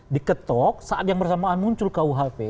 diketok saat yang bersamaan muncul kuhp